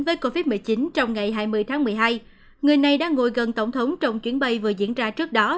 với covid một mươi chín trong ngày hai mươi tháng một mươi hai người này đang ngồi gần tổng thống trong chuyến bay vừa diễn ra trước đó